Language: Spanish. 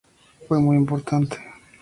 Fue muy importante.